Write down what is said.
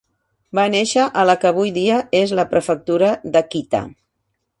Va néixer a la que avui dia és la prefectura d'Akita.